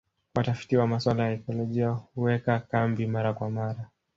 Watafiti wa masuala ya ekolojia huweka kambi mara kwa mara